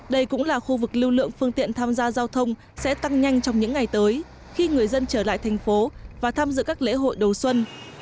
đây cũng là khu vực lưu lượng phương tiện tham gia giao thông sẽ tăng nhanh trong những ngày tới khi người dân trở lại thành phố và tham dự các lễ hội đầu xuân